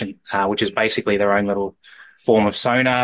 yang sebenarnya adalah bentuk sonar yang mereka sendiri